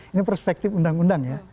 ini perspektif undang undang ya